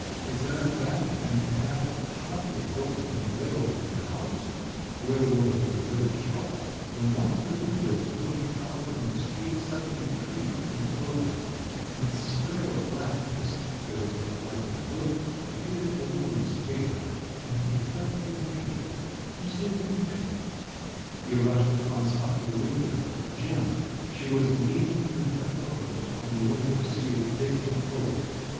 He turned back and had hardly got on a level with the house, where was the Rosellis' shop, when one of the windows looking out on the street, suddenly creaked and opened; in its square of blackness—there was no light in the room—appeared a woman's figure, and he heard his name—"Monsieur Dimitri!" He rushed at once up to the window … Gemma! She was leaning with her elbows on the window sill, bending forward.